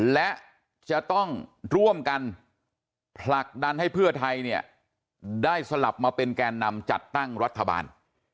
และจะต้องร่วมกันผลักดันให้เพื่อไทยเนี่ยได้สลับมาเป็นแกนนำจัดตั้งรัฐบาล